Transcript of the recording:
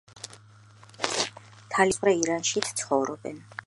თალიშები აზერბაიჯანის მოსაზღვრე ირანშიც ცხოვრობენ.